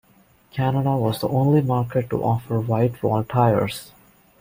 Canada was the only market to offer whitewall tires.